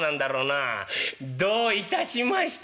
「どういたしまして」。